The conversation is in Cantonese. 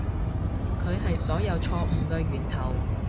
佢係所有錯誤嘅源頭